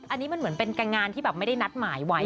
อันนี้มันเหมือนเป็นการงานที่แบบไม่ได้นัดหมายไว้